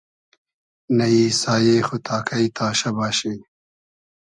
نئیی سایې خو تا کݷ تاشۂ باشی